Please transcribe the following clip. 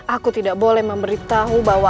aku tidak boleh memberitahu bahwa